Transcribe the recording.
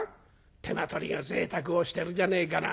手間取りが贅沢をしてるじゃねえかな。